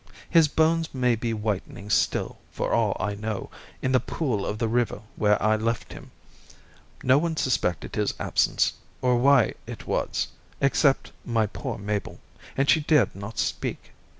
His bones may be whitening still, for all I know, in the pool of the river where I left him. No one suspected his absence, or why it was, except my poor Mabel, and she dared not speak.